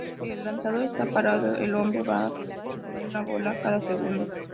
Si el lanzador está parado, el hombre va a recibir una bola cada segundo.